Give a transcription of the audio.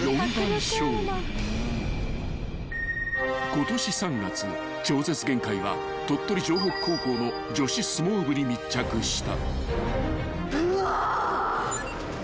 ［ことし３月『超絶限界』は鳥取城北高校の女子相撲部に密着した］